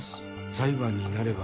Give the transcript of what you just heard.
裁判になれば